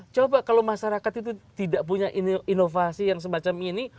coba kalau masyarakat itu tidak punya inovasi yang semacam ini